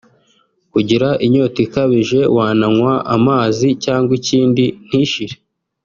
kugira inyota ikabije wanaywa amazi cyangwa ikindi ntishire